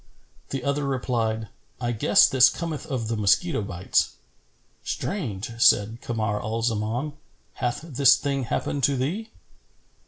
The other replied, "I guess this cometh of the mosquito bites." "Strange!" said Kamar al Zaman. "Hath this thing happened to thee?"